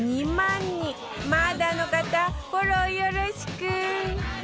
まだの方フォローよろしく！